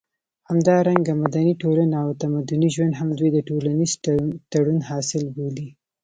همدارنګه مدني ټولنه او تمدني ژوند هم دوی د ټولنيز تړون حاصل بولي